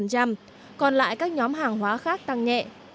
còn lại các nhóm hàng hóa khác tăng nhẹ